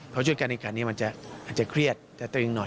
เราช่วยการบริการนี้มันจะเครียดแต่ตรงนี้หน่อย